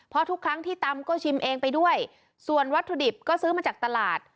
เพราะทุกครั้งที่ตำก็ชิมเองไปด้วยส่วนวัตถุดิบก็ซื้อมาจากตลาด